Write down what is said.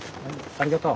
ありがとう。